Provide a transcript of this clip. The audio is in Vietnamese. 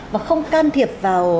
và không can thiệp vào